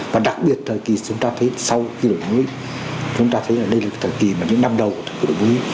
và đặc biệt thời kỳ chúng ta thấy sau khi đổi mũi chúng ta thấy là đây là thời kỳ mà những năm đầu của đổi mũi